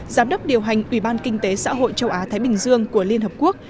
giám đốc điều hành ủy ban kinh tế xã hội châu á thái bình dương của liên hợp quốc